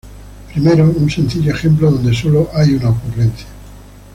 Primero un sencillo ejemplo donde sólo hay una ocurrencia.